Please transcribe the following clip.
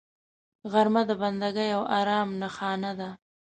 غرمه د بندګۍ او آرام نښانه ده